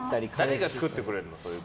誰が作ってくれるの？